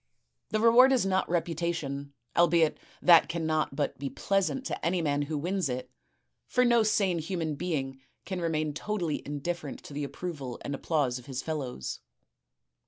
The reward is not reputation, albeit that cannot but be pleasant to any man who wins it, for no sane human being can remain totally indifferent to the approval and tipplause of his fellows.